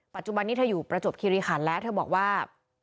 ปัจจุบันนี้เธออยู่ประจวบคิริขันแล้วเธอบอกว่า